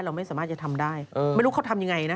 เราไม่สามารถจะทำได้ไม่รู้เขาทำยังไงนะ